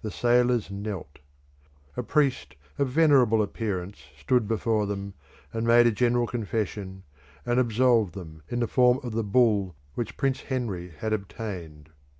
The sailors knelt. A priest of venerable appearance stood before them, and made a general confession, and absolved them in the form of the Bull which Prince Henry had obtained.